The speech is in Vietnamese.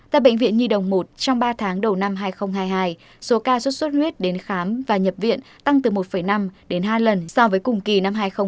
tại bệnh viện nhi đồng một trong ba tháng đầu năm hai nghìn hai mươi hai số ca xuất xuất huyết đến khám và nhập viện tăng từ một năm đến hai lần so với cùng kỳ năm hai nghìn hai mươi hai